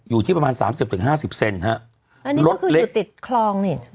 อยู่ที่ประมาณสามสิบถึงห้าสิบเซนฮะอันนี้ก็คืออยู่ติดคลองนี่